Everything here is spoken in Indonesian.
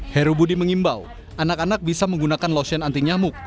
heru budi mengimbau anak anak bisa menggunakan lotion anti nyamuk